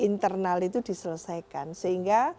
internal itu diselesaikan sehingga